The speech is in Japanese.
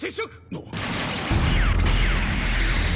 あっ。